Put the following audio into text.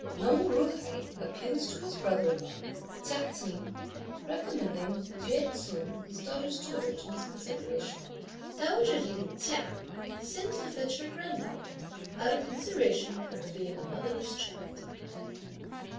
Lin Ju hai appeals to his brother in law, Chia Cheng, recommending Yü ts'un, his daughter's tutor, to his consideration. Dowager lady Chia sends to fetch her granddaughter, out of commiseration for her being a motherless child.